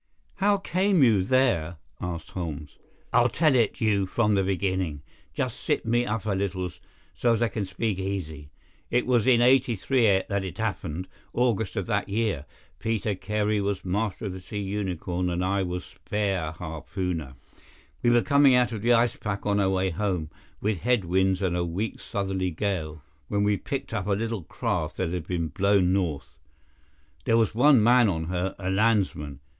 "How came you there?" asked Holmes. "I'll tell it you from the beginning. Just sit me up a little, so as I can speak easy. It was in '83 that it happened—August of that year. Peter Carey was master of the Sea Unicorn, and I was spare harpooner. We were coming out of the ice pack on our way home, with head winds and a week's southerly gale, when we picked up a little craft that had been blown north. There was one man on her—a landsman.